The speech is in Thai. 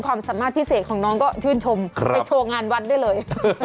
ความสามารถพิเศษของน้องก็ชื่นชมไปโชว์งานวัดได้เลย